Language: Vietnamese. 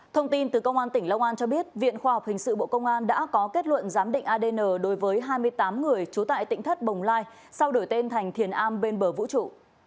thông tin từ công an tỉnh long an cho biết viện khoa học hình sự bộ công an đã có kết luận giám định adn đối với hai mươi tám người trú tại tỉnh thất bồng lai sau đổi tên thành thiền a bên bờ vũ trụ